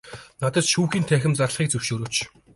Надад шүүхийн танхим зарлахыг зөвшөөрөөч.